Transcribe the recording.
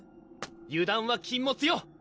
油断は禁物よ！